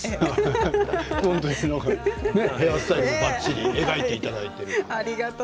ヘアスタイルもばっちり描いていただいて。